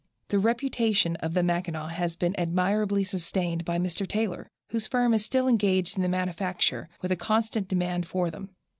The reputation of the Mackinaw has been admirably sustained by Mr. Taylor, whose firm is still engaged in their manufacture, with a constant demand for them.